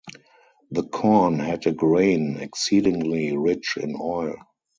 The corn had a grain exceedingly rich in oil.